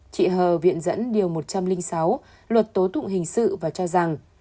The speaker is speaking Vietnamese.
chị hờ viện dẫn điều một trăm linh sáu luật tố tụng hình sự và cho rằng